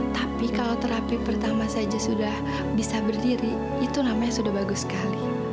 tapi kalau terapi pertama saja sudah bisa berdiri itu namanya sudah bagus sekali